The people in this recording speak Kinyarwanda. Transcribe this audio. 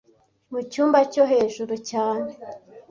mu cyumba cyo hejuru cyane